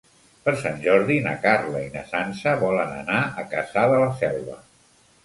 Per Sant Jordi na Carla i na Sança volen anar a Cassà de la Selva.